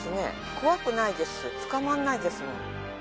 怖くないですつかまらないですもん。